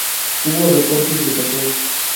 Hubo reportes de saqueo.